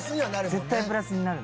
絶対プラスになる。